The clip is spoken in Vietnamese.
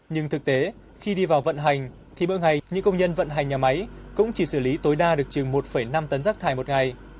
nhưng thực tế khi đi vào vận hành thì mỗi ngày những công nhân vận hành nhà máy cũng chỉ xử lý tối đa được chừng một năm tấn rác thải một ngày